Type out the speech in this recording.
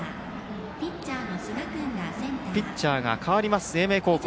ピッチャーが代わります英明高校。